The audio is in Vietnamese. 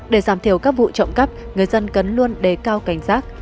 để giảm thiểu các vụ trộm cắp người dân cần luôn đề cao cảnh giác